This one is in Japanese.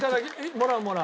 もらうもらう。